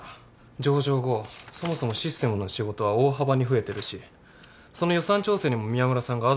上場後そもそもシステムの仕事は大幅に増えてるしその予算調整にも宮村さんがアドバイスで入ってる。